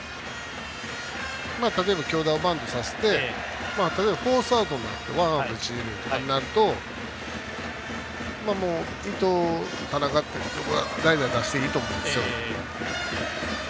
例えば、京田をバントさせてフォースアウトになってワンアウト一塁二塁とかになると伊藤、田中は代打を出していいと思うんです。